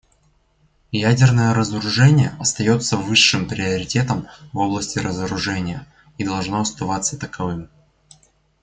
Ядерное разоружение остается высшим приоритетом в области разоружения и должно оставаться таковым.